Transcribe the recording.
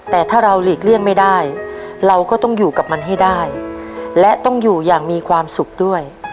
แต่ถ้าเราหลีกเลี่ยงไม่ได้เราก็ต้องอยู่กับมันให้ได้และต้องอยู่อย่างมีความสุขด้วย